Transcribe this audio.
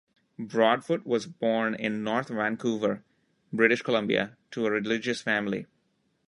Broadfoot was born in North Vancouver, British Columbia to a religious family.